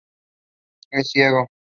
Es ciego.